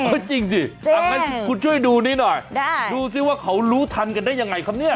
ก็จริงสิเอางั้นคุณช่วยดูนี้หน่อยดูสิว่าเขารู้ทันกันได้ยังไงครับเนี่ย